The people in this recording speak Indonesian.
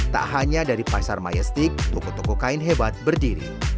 tak hanya dari pasar majestik toko toko kain hebat berdiri